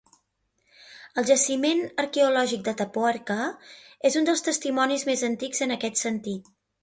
El Jaciment arqueològic d'Atapuerca és un dels testimonis més antics en aquest sentit.